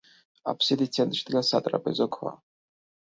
აფსიდის ცენტრში დგას სატრაპეზო ქვა.